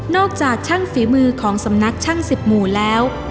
จากช่างฝีมือของสำนักช่างสิบหมู่แล้ว